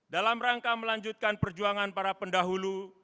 dalam rangka melanjutkan perjuangan para pendahulu